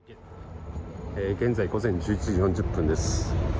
現在午前１１時４０分です。